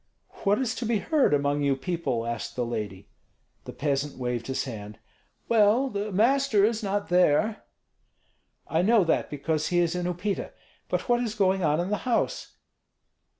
"What is to be heard among you people?" asked the lady. The peasant waved his hand. "Well, the master is not there." "I know that, because he is in Upita. But what is going on in the house?"